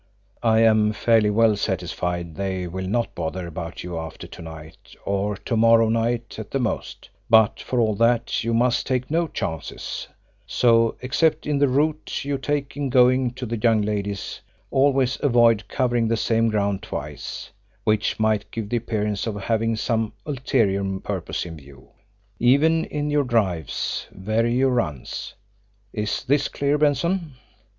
I am fairly well satisfied they will not bother about you after to night, or to morrow night at the most; but, for all that, you must take no chances, so, except in the route you take in going to the young lady's, always avoid covering the same ground twice, which might give the appearance of having some ulterior purpose in view even in your drives, vary your runs. Is this clear, Benson?"